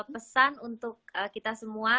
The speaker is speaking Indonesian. pesan untuk kita semua